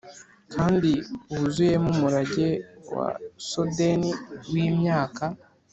kandi yuzuyemo umurage wa sodden wimyaka.